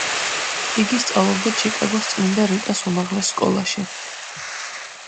იგი სწავლობდა ჩიკაგოს წმინდა რიტას უმაღლეს სკოლაში.